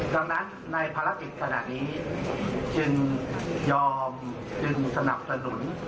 ดังนั้นในภารกิจขณะนี้จึงยอมจึงสนับสนุน